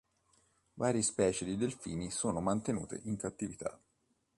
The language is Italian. Varie specie di delfini sono mantenute in cattività.